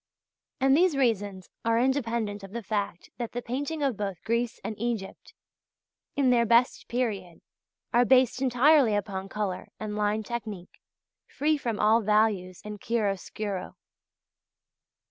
And these reasons are independent of the fact that the painting of both Greece and Egypt in their best period are based entirely upon colour and line technique free from all values and chiaroscuro.